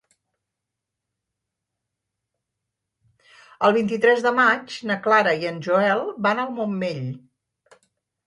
El vint-i-tres de maig na Clara i en Joel van al Montmell.